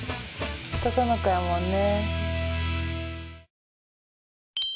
男の子やもんね。